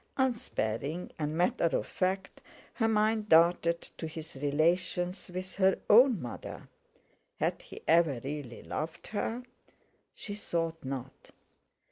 Unsparing and matter of fact, her mind darted to his relations with her own mother. Had he ever really loved her? She thought not.